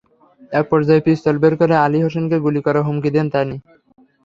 একপর্যায়ে পিস্তল বের করে আলী হোসেনকে গুলি করার হুমকি দেন তিনি।